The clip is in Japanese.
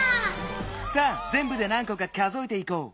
さあぜんぶで何こか数えていこう。